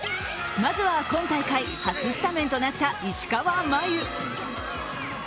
まずは今大会、初スタメンとなった石川真佑。